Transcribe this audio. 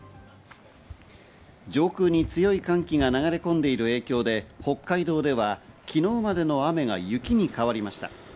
上空に強い寒気が流れ込んでいる影響で、北海道では昨日までの雨が雪に変わりました。